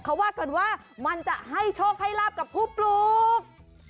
เขาว่ากันว่ามันจะให้โชคให้ลาบกับผู้ปลูก